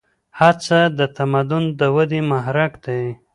هڅه د تمدن د ودې محرک دی.